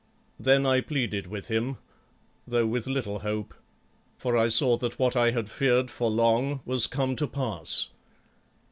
Then I pleaded with him, though with little hope, for I saw that what I had feared for long was come to pass.